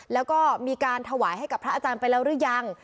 แล้วก็มีการถวายให้กับพระอาจารย์ไปแล้วหรือยัง